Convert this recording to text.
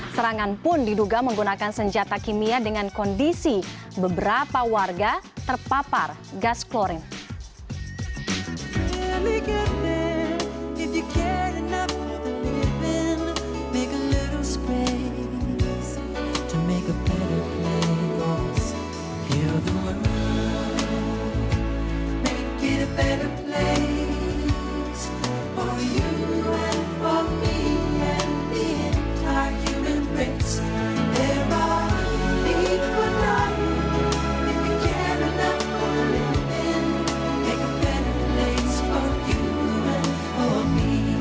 serangan pun diduga menggunakan senjata kimia dengan kondisi beberapa warga terpapar gas klorin